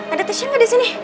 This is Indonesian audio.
ada tasya gak disini